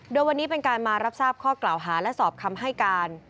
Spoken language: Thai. โดยวันนี้เป็นการมารับทราบข้อกล่าวหาและสอบคำให้การ